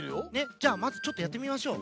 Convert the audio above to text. じゃあまずちょっとやってみましょう。